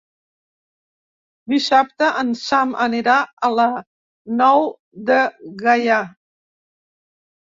Dissabte en Sam anirà a la Nou de Gaià.